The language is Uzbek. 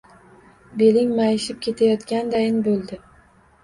Beling mayishib ketayotgandayin bo‘ldi.